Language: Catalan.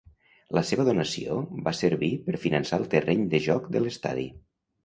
La seva donació va servir per finançar el terreny de joc de l'estadi.